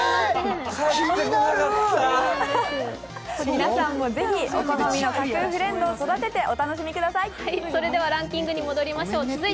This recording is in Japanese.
皆さんもぜひお好みの架空フレンドをお楽しみください。